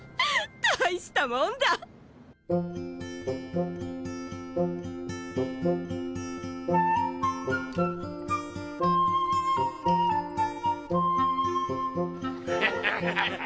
大したもんだ！ハハハ。